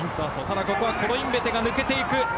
ここはコロインベテが抜けていく。